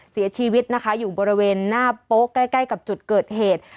เสียชีวิตนะคะอยู่บริเวณหน้าโป๊ะใกล้ใกล้กับจุดเกิดเหตุ